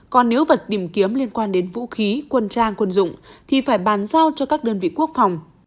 còn nếu vật tìm kiếm liên quan đến vũ khí quân trang quân dụng thì phải bàn giao cho các đơn vị quốc phòng